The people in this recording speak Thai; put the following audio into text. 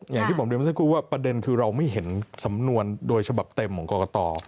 อย่างที่ผมเรียนมาสักครู่ว่าประเด็นคือเราไม่เห็นสำนวนโดยฉบับเต็มของกรกต